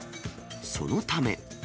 そのため。